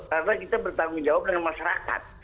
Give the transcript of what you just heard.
karena kita bertanggung jawab dengan masyarakat